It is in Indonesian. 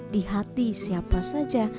di hati siapa saja